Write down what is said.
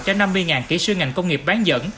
cho năm mươi kỹ sư ngành công nghiệp bán dẫn